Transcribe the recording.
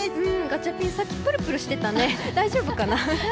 ガチャピン、さっきプルプルしてたね、大丈夫かな。